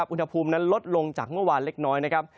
อุณหภูมินั้นลดลงจากเมื่อวานเล็กน้อยนะครับ